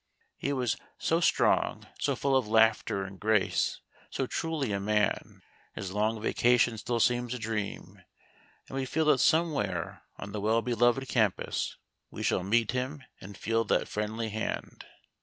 He was so strong, so full of laughter and grace, so truly a man, his long vacation still seems a dream, and we feel that somewhere on the well beloved campus we shall meet him and feel that friendly hand.